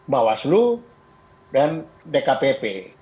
bawaslu dan dkpp